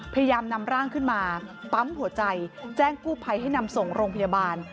พยายามนำร่างขึ้นมาปั๊มหัวใจแจ้งกู้ภัยให้นำส่งโรงพยาบาล